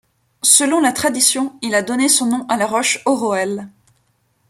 Selon la tradition, il a donné son nom à la Roche Oroel.